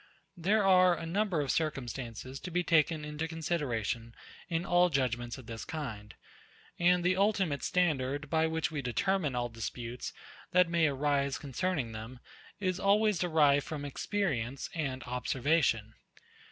There are a number of circumstances to be taken into consideration in all judgements of this kind; and the ultimate standard, by which we determine all disputes, that may arise concerning them, is always derived from experience and observation.